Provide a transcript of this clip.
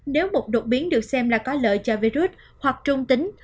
nếu một đột biến được xem là có lợi cho virus hoặc trung tính